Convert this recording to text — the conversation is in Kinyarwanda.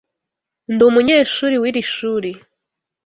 Ndi umunyeshuri w'iri shuri.